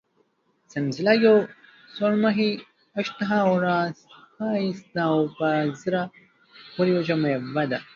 سنځله یوه سورمخې، اشتها اوره، ښایسته او په زړه پورې وچه مېوه ده.